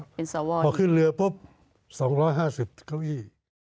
เป็นสวนเขาขึ้นเรือพบ๒๕๐เก้าอี้